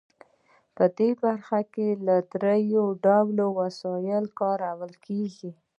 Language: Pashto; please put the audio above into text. په دې برخه کې درې ډوله وسایل کارول کیږي.